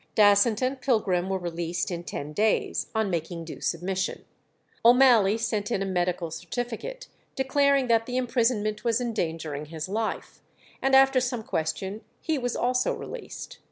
Dasent and Pilgrim were released in ten days, on making due submission. O'Mally sent in a medical certificate, declaring that the imprisonment was endangering his life, and after some question he was also released.